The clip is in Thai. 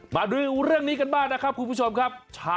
มาดูเรื่องนี้กันบ้างนะครับคุณผู้ชมครับ